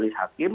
pak ferdis hakim